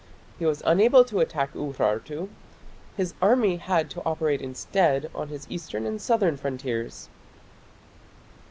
He was unable to attack Urartu. His army had to operate instead on his eastern and southern frontiers.